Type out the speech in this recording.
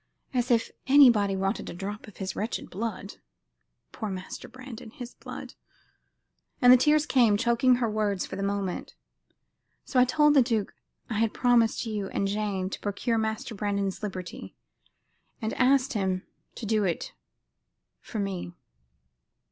As if anybody wanted a drop of his wretched blood. Poor Master Brandon! his blood ..." and the tears came, choking her words for the moment. "So I told the duke I had promised you and Jane to procure Master Brandon's liberty, and asked him to do it for me.